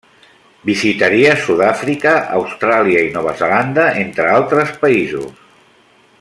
Visitaria Sud-àfrica, Austràlia i Nova Zelanda, entre altres països.